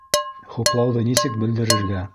Хуплауҙы нисек белдерергә